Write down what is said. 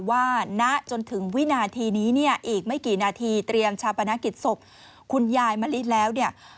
ว่าณจนถึงวินาทีนี้เนี่ยอีกไม่กี่นาทีเตรียมชาปนกิจศพคุณยายมะลิแล้วเนี่ย